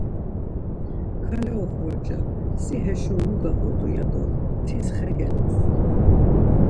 Kale oxorca, si haşo mu gağodu ya do tis xe gelusu.